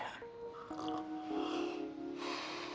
sepertinya juga rida wanita yang soleh